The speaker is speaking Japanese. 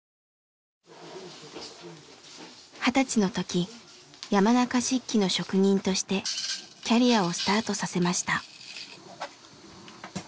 二十歳の時山中漆器の職人としてキャリアをスタートさせました。